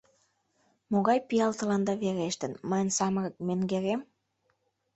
— Могай пиал тыланда верештын, мыйын самырык менгерем?